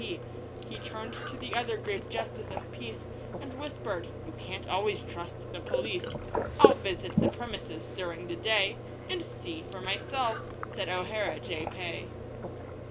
P. He turned to the other grave Justice of Peace, And whispered, 'You can't always trust the police; 'I'll visit the premises during the day, And see for myself,' said O'Hara, Jay Pay.